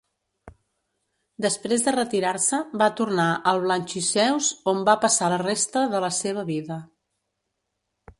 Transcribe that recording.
Després de retirar-se va tornar al Blanchisseuse, on va passar la resta de la seva vida.